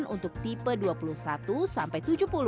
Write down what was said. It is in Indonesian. untuk tipe dua puluh satu sampai tujuh puluh